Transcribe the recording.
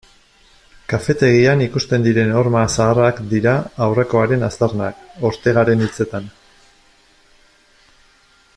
Kafetegian ikusten diren horma zaharrak dira aurrekoaren aztarnak, Ortegaren hitzetan.